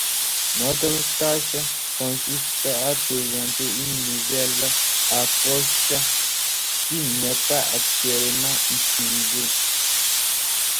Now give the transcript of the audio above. Notre tâche consiste à présenter une nouvelle approche qui n'est pas actuellement utilisée.